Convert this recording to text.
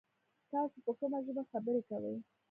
تاسو په کومه ژبه خبري کوی ؟